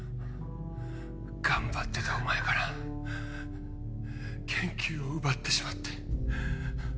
頑張ってたお前から研究を奪ってしまって。